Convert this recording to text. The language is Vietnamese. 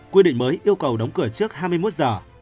quy định mới yêu cầu đóng cửa trước hai mươi một giờ